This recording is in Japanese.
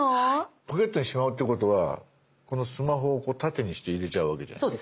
ポケットにしまうってことはこのスマホを縦にして入れちゃうわけじゃないですか？